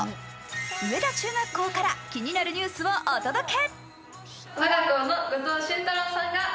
植田中学校から気になるニュースをお届け。